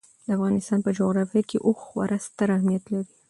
د افغانستان په جغرافیه کې اوښ خورا ستر اهمیت لري.